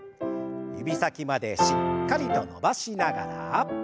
指先までしっかりと伸ばしながら。